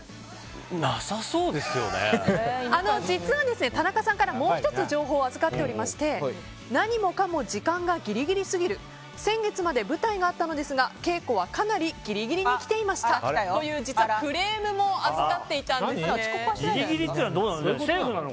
実は田中さんからもう１つ情報をいただいていました何もかも時間がギリギリすぎる先月まで、舞台があったのですが稽古はかなりギリギリに来ていましたというクレームも預かっています。